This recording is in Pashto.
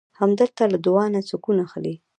هلک له دعا نه سکون اخلي.